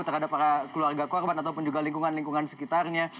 terhadap para keluarga korban ataupun juga lingkungan lingkungan sekitarnya